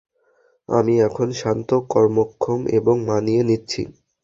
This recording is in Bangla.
আমি এখন শান্ত, কর্মক্ষম এবং মানিয়ে নিচ্ছি!